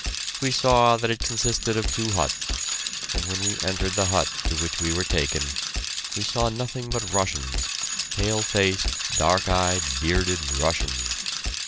We saw that it consisted of two huts, and when we entered the hut to which we were taken, we saw nothing but Russians, pale faced, dark eyed, bearded Russians.